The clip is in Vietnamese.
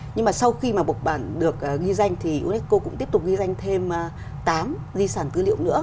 nhưng mà sau khi mà bộc bản được ghi danh thì unesco cũng tiếp tục ghi danh thêm tám di sản tư liệu nữa